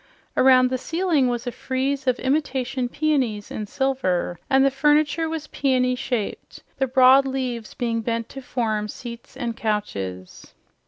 Around the ceiling was a frieze of imitation peonies in silver, and the furniture was peony shaped, the broad leaves being bent to form seats and couches.